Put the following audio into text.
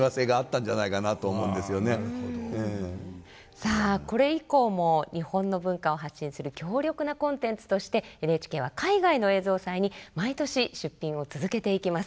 さあこれ以降も日本の文化を発信する強力なコンテンツとしてＮＨＫは海外の映像祭に毎年出品を続けていきます。